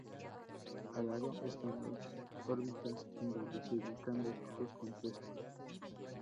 Al lado están las órbitas en donde se ubican los ojos compuestos.